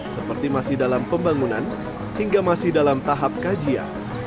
seperti masih dalam pembangunan hingga masih dalam tahap kajian